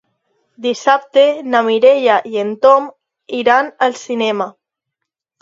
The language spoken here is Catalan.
Dissabte na Mireia i en Tom iran al cinema.